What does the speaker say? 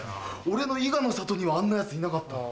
俺の伊賀の里にはあんなヤツいなかった。